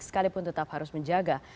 sekalipun tetap harus menjaga